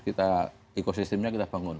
kita ekosistemnya kita bangun